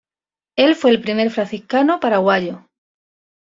Él fue el primer franciscano paraguayo.